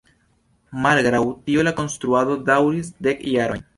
Malgraŭ tio la konstruado daŭris dek jarojn.